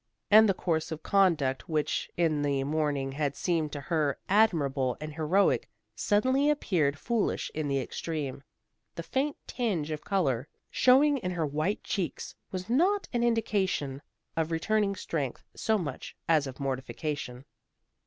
And the course of conduct which in the morning had seemed to her admirable and heroic, suddenly appeared foolish in the extreme. The faint tinge of color showing in her white cheeks was not an indication of returning strength so much as of mortification.